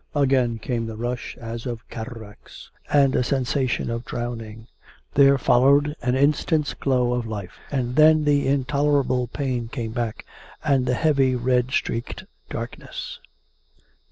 Again came the rush as of cataracts ; and a sensation of drowning. There followed an instant's glow of life; and then the intolerable pain came back; and the heavy, red streaked darkness.